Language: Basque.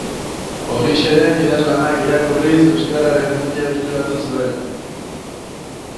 Orixeren idazlanak irakurriz euskararen muina eskuratu zuen.